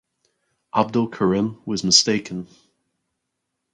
Abdul Karim was mistaken.